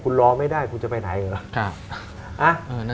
คุณรอไม่ได้คุณจะไปไหนเหรอ